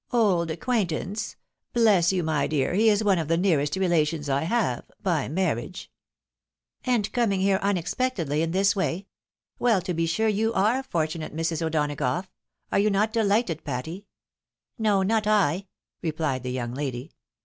" Old acquaintance ? Bless you, my dear, he is one of the nearest relations I have — by marriage." " And coming here unexpectedly in this way ! Well to be sure, you are fortunate, Mrs. O'Donagough. Are you not delighted, Patty ?"" No, not I," replied the young lady.